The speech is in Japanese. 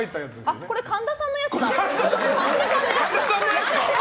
あ、これ神田さんのやつだ。